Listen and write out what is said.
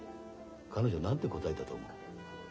彼女何て答えたと思う？